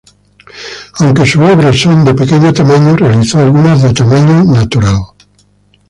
Aunque sus obras son de pequeño tamaño, realizó algunas de tamaño natural.